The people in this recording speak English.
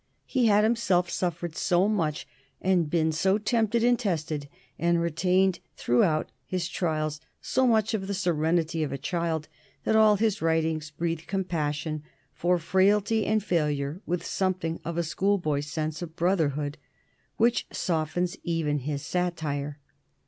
He had himself suffered so much, and been so tempted and tested, and had retained throughout his trials so much of the serenity of a child, that all his writings breathe compassion for frailty and failure with something of a schoolboy sense of brotherhood which softens even his satire.